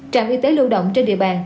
trạm y tế lưu động trên địa bàn